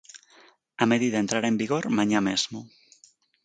A medida entrará en vigor mañá mesmo.